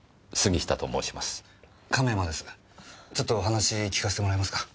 ちょっとお話聞かせてもらえますか？